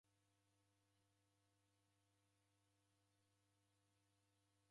Mndungi ndoukundikie kumaramara nakio.